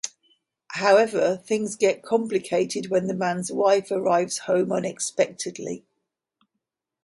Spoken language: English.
However things get complicated when the man's wife arrives home unexpectedly.